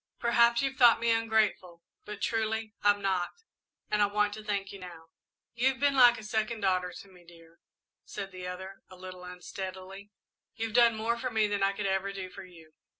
Perhaps you've thought me ungrateful, but truly I'm not, and I want to thank you now." "You've been like a second daughter to me, dear," said the other, a little unsteadily, "you've done more for me than I ever could do for you."